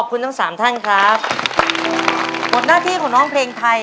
อือ